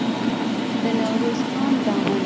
د نوروز خان زامن